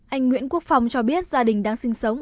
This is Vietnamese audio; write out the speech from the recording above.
anh nguyễn quốc phong cho biết gia đình đang sinh sống